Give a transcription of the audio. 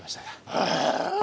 ああ！